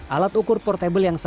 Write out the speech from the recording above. alat ukur portable yang sangat